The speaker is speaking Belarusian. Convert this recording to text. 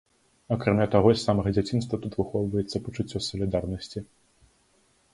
Акрамя таго, з самага дзяцінства тут выхоўваецца пачуццё салідарнасці.